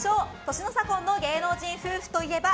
年の差婚の芸能人夫婦といえば？